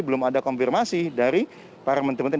belum ada konfirmasi dari para menteri menteri